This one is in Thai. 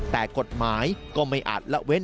แต่กฎหมายก็ไม่อาจละเว้น